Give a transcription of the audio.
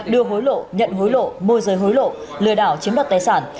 đưa hối lộ nhận hối lộ môi rơi hối lộ lừa đảo chiếm đặt tài sản